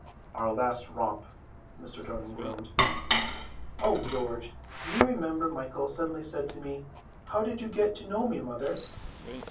"Our last romp!" Mr. Darling groaned. "O George, do you remember Michael suddenly said to me, 'How did you get to know me, mother?